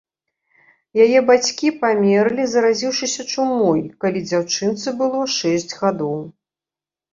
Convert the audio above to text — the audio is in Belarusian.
Яе бацькі памерлі, заразіўшыся чумой, калі дзяўчынцы было шэсць гадоў.